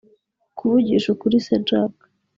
kuvugisha ukuri se jack